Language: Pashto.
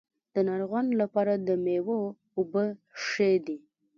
د ناروغانو لپاره د میوو اوبه ښې دي.